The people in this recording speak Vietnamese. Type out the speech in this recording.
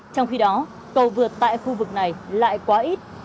trong khi đó cầu vượt tại khu vực này lại quá ít